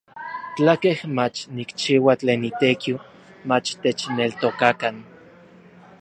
Tlakej mach nikchiua tlen itekiu, mach techneltokakan.